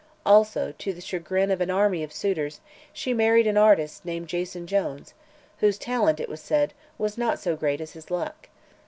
Also, to the chagrin of an army of suitors, she married an artist named Jason Jones, whose talent, it was said, was not so great as his luck.